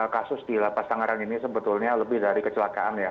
kasus di lapas tangerang ini sebetulnya lebih dari kecelakaan ya